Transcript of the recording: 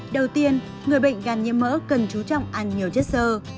đầu tiên người bệnh gan nhiễm mỡ cần chú trọng ăn nhiều chất sơ